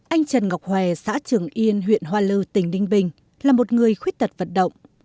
anh trần ngọc hòe xã trường yên huyện hoa lưu tỉnh đinh bình là một người khuyết tật vận động